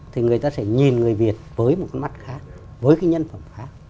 thì người ta sẽ nhìn người việt với một cái mắt khác với cái nhân phẩm khác